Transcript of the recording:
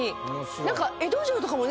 何か。